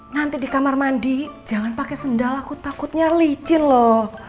nanti di kamar mandi jangan pakai sendal aku takutnya licin loh